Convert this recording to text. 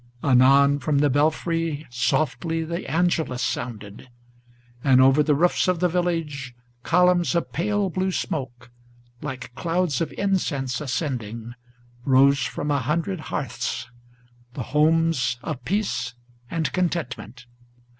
Anon from the belfry Softly the Angelus sounded, and over the roofs of the village Columns of pale blue smoke, like clouds of incense ascending, Rose from a hundred hearths, the homes of peace and contentment.